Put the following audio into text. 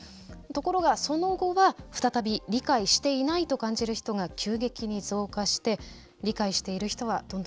ところがその後は再び「理解していない」と感じる人が急激に増加して「理解している人」はどんどん減少していますね西銘さん。